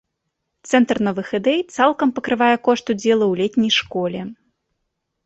Цэнтр новых ідэй цалкам пакрывае кошт удзелу ў летняй школе.